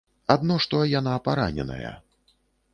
Адно, што яна параненая.